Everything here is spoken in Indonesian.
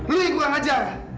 lu yang kurang ajar